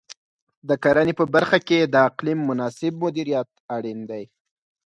د کرنې په برخه کې د اقلیم مناسب مدیریت اړین دی.